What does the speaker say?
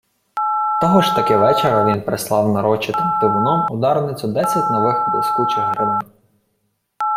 Того ж таки вечора він прислав нарочитим тивуном у Дарницю десять нових блискучих гривен.